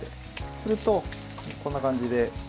すると、こんな感じで。